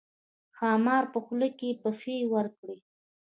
ښامار په خوله کې پښې ورکړې.